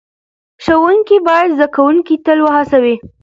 ښوونکي باید زده کوونکي تل وهڅوي.